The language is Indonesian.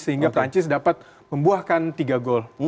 sehingga perancis dapat membuahkan tiga gol